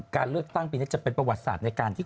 การเลือกตั้งปีนี้จะเป็นประวัติศาสตร์ในการที่